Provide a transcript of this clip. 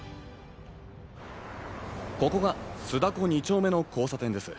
ここが須蛸２丁目の交差点です。